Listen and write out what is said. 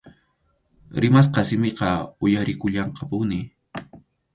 Rimasqa simiqa uyarikullanqapuni.